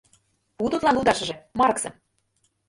Пу тудлан лудашыже Марксым...